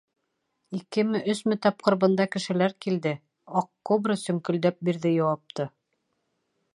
— Икеме, өсмө тапҡыр бында кешеләр килде, — Аҡ кобра сөңкөлдәп бирҙе яуапты.